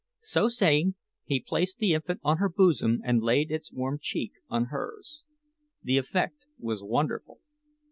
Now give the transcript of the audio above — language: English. So saying, he placed the infant on her bosom and laid its warm cheek on hers. The effect was wonderful.